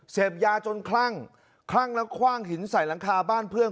เสพยาจนคลั่งคลั่งแล้วคว่างหินใส่หลังคาบ้านเพื่อน